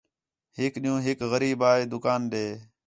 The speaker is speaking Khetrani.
ہِک ݙِین٘ہوں ہِک غریب آ ہے دُکان ݙے